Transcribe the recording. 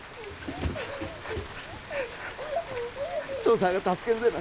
父さんが助けるでな